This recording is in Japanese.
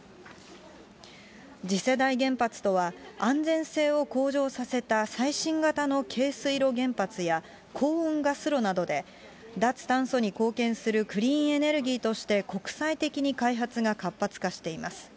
次世代原発とは、安全性を向上させた最新型の軽水炉原発や高温ガス炉などで、脱炭素に貢献するクリーンエネルギーとして国際的に開発が活発化しています。